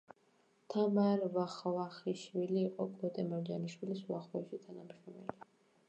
თამარ ვახვახიშვილი იყო კოტე მარჯანიშვილის უახლოესი თანამშრომელი.